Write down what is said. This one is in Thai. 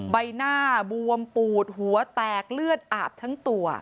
ใบหน้าบวมปูดหัวแตกเลือดอาบทั้งตัว